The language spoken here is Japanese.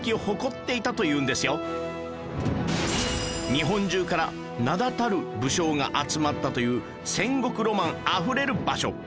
日本中から名だたる武将が集まったという戦国ロマンあふれる場所